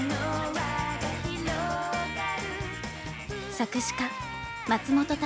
作詞家松本隆。